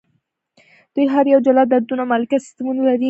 دوی هر یو جلا دودونه او مالکیت سیستمونه لري.